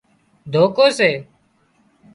ڌوڪو سي